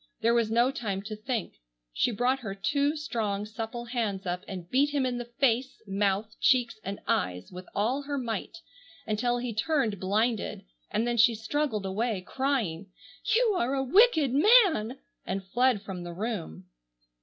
There was no time to think. She brought her two strong supple hands up and beat him in the face, mouth, cheeks, and eyes, with all her might, until he turned blinded; and then she struggled away crying, "You are a wicked man!" and fled from the room.